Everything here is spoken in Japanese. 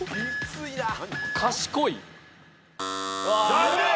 残念！